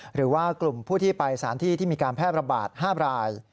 หรือว่ากลุ่มผู้ที่ไปสถานที่ที่มีการแพร่ระบาด๕ราย